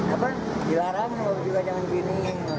apa dilarang ya juga jangan gini